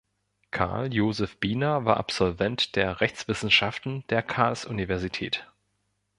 Karl Joseph Biener war Absolvent der Rechtswissenschaften der Karlsuniversität.